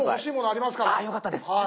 あっよかったです。